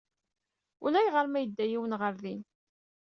Ulayɣer ma yedda yiwen ɣer din.